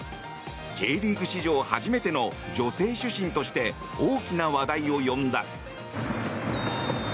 Ｊリーグ史上初めての女性主審として大きな話題を呼んだ。